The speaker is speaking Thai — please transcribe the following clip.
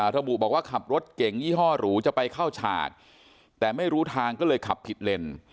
ระบุบอกว่าขับรถเก่งยี่ห้อหรูจะไปเข้าฉากแต่ไม่รู้ทางก็เลยขับผิดเลน